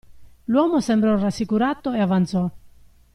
L'uomo sembrò rassicurato e avanzò.